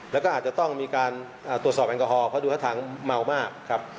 แล้วก็อาจจะต้องมีการตรวจสอบแอลกอฮอลเพราะดูท่าทางเมามากครับ